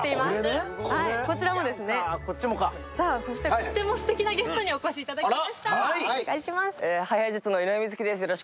とってもすてきなゲストにお越しいただきました。